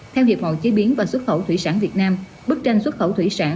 theo hiệp hội chế biến và xuất khẩu thủy sản việt nam bức tranh xuất khẩu thủy sản